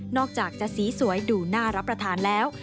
อกจากจะสีสวยดูน่ารับประทานแล้ว